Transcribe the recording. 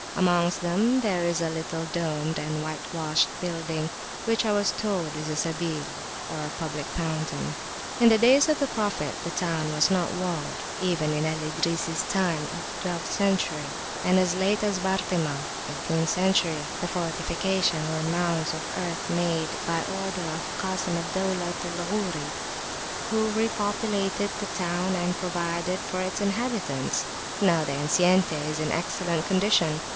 Amongst them there is a little domed and whitewashed building, which I was told is a Sabil or public fountain. In the days of the Prophet the town [p.392] was not walled. Even in Al Idrisi's time (twelfth century), and as late as Bartema's (eighteenth century), the fortifications were mounds of earth, made by order of Kasim al Daulat al Ghori, who re populated the town and provided for its inhabitants. Now, the enceinte is in excellent condition.